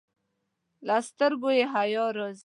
له سترګو یې حیا راځي.